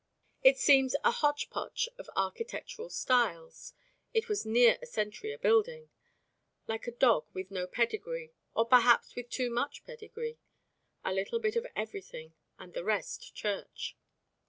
It seems a hotchpotch of architectural styles (it was near a century a building), like a dog with no pedigree, or perhaps with too much pedigree a little bit of everything and the rest church.